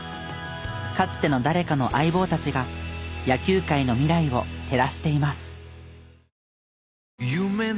かつての誰かの相棒たちが野球界の未来を照らしています。